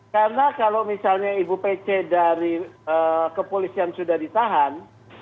karena kalau misalnya ibu pc dari kepolisian sudah ditahan